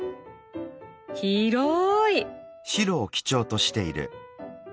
広い！